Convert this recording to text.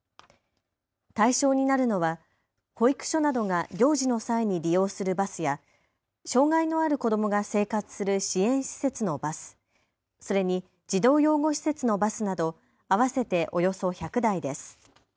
対象になるのは保育所などが行事の際に利用するバスや障害のある子どもが生活する支援施設のバス、それに児童養護施設のバスなど合わせておよそ１００台です。